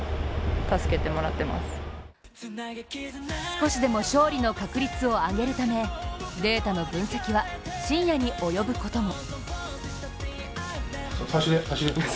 少しでも勝利の確率を上げるためデータの分析は深夜に及ぶことも。